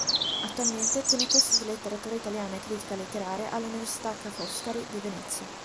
Attualmente tiene corsi di letteratura italiana e critica letteraria all'Università Ca' Foscari di Venezia.